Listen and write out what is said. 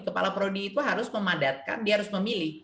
kepala prodi itu harus memadatkan dia harus memilih